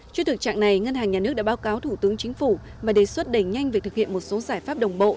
trước thực trạng này ngân hàng nhà nước đã báo cáo thủ tướng chính phủ và đề xuất đẩy nhanh việc thực hiện một số giải pháp đồng bộ